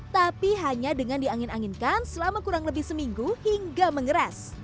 tapi hanya dengan diangin anginkan selama kurang lebih seminggu hingga mengeras